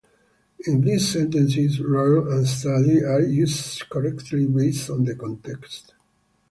In these sentences, "learn" and "study" are used correctly based on the context.